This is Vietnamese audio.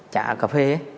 chạ cà phê